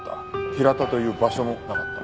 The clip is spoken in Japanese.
ヒラタという場所もなかった。